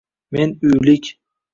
Men — uylik